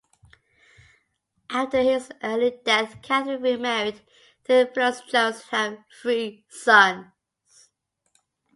After his early death Catherine remarried Theophilus Jones and had three sons.